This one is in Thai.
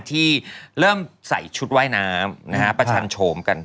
ที่เริ่มใส่ชุดว่ายน้ำประชันโฉมกัน